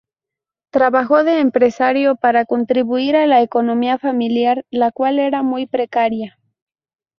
Trabajó de empresario para contribuir a la economía familiar, la cual era muy precaria.